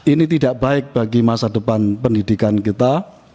ini tidak baik bagi masa depan pendidikan kita